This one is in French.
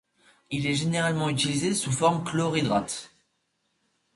Il est généralement utilisé sous forme chlorhydrate.